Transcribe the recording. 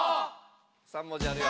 ３文字あるよ